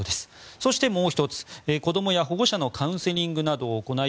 そして、もう１つ子供や保護者のカウンセリングなどを行い